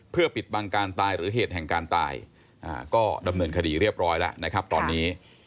เพื่อปิดบังการตายหรือเหตุแห่งการตายก็ดำเนินคดีเรียบร้อยแล้วนะครับตอนนี้